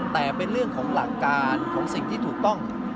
แต่เป็นเรื่องของหลักการของสิ่งที่ถูกต้อง